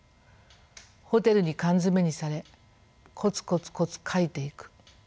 ホテルに缶詰めにされコツコツコツ書いていく。